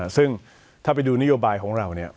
ซึ่งถ้าไปดูนโยบายของเราเนี่ย